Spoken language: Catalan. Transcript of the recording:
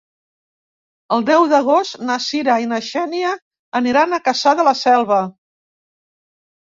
El deu d'agost na Cira i na Xènia aniran a Cassà de la Selva.